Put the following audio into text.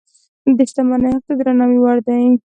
د شتمنۍ حق د درناوي وړ دی.